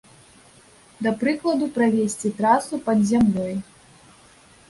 Да прыкладу, правесці трасу пад зямлёй.